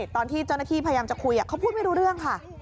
ตอนที่เจ้าหน้าที่พยายามจะคุยเขาพูดไม่รู้เรื่องค่ะ